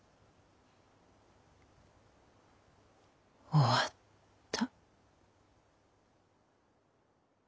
終わった。